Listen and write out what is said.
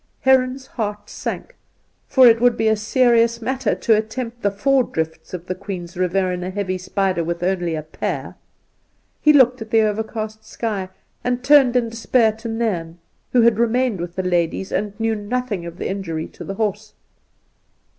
Heron's heart sank, for it would be a serious matter to attempt the four drifts of the Queen's River in a heavy spider with only a pair. He looked at the overcast sky, and turned in despair to Nairn, who had remained with the ladies, and knew nothing of the injury to the horse.